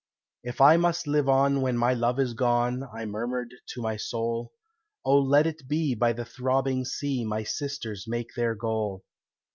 "If I must live on when my love is gone," I murmured to my soul, "Oh, let it be by the throbbing sea My sisters make their goal.